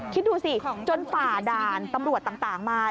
คิดดูสิจนฝ่าด่านตำรวจต่างมา